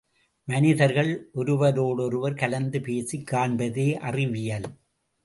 மனிதர்கள் ஒருவரோடு ஒருவர் கலந்து பேசிக் காண்பதே அறிவியல்!